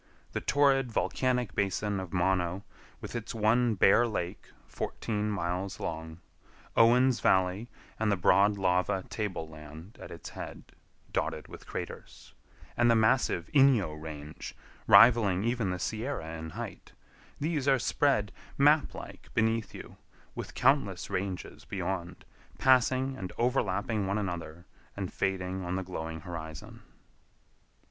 The torrid volcanic basin of Mono, with its one bare lake fourteen miles long; Owen's Valley and the broad lava table land at its head, dotted with craters, and the massive Inyo Range, rivaling even the Sierra in height; these are spread, map like, beneath you, with countless ranges beyond, passing and overlapping one another and fading on the glowing horizon.